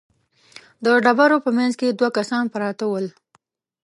د ډبرو په مينځ کې دوه کسان پراته ول.